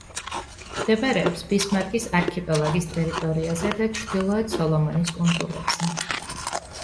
მდებარეობს ბისმარკის არქიპელაგის ტერიტორიაზე და ჩრდილოეთ სოლომონის კუნძულებზე.